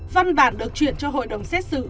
văn bản được chuyển cho hội đồng xét xử